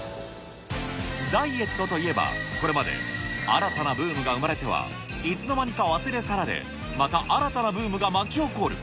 ダイエットといえば、これまで新たなブームが生まれては、いつの間にか忘れ去られ、また新たなブームが巻き起こる。